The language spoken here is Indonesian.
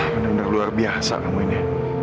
bener bener luar biasa kamu ini